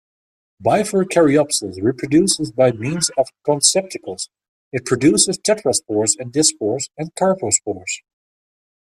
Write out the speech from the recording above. "Bifurcariopsis" reproduces by means of conceptacles; it produces tetraspores and dispores and carpospores.